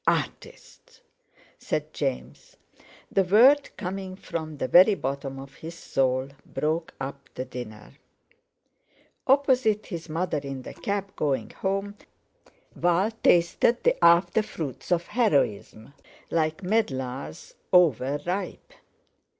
"Artists!" said James. The word coming from the very bottom of his soul, broke up the dinner. Opposite his mother in the cab going home, Val tasted the after fruits of heroism, like medlars over ripe.